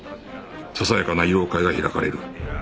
ささやかな慰労会が開かれる